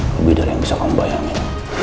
lebih dari yang bisa kamu bayangkan